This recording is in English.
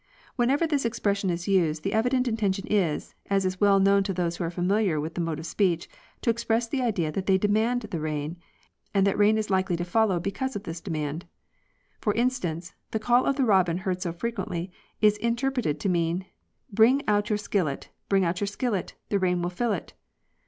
Whenever this expression is ysed the evident intention is, as is well known to those who are familiar with this mode of speech, to express the idea that they demand the rain, and that rain is likely to follow because of this demand. For instance, the call of the robin, heard so frequently, is interpreted to mean, ' Bring out your skillet, bring out your skillet, the rain will fill it."